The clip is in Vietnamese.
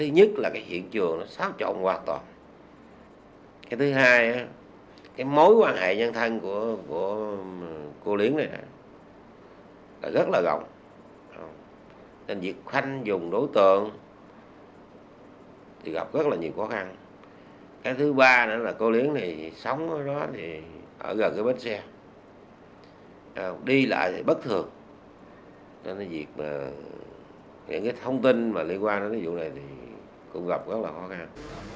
nhiều người đều đều nói rằng việc khăn dùng đối tượng gặp rất nhiều khó khăn cái thứ ba là cô luyến sống ở gần bến xe đi lại thì bất thường thông tin liên quan đến vụ này cũng gặp rất nhiều khó khăn